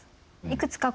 いくつか